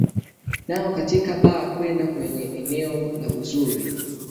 nao katika baa kwenda kwenye eneo la uzuri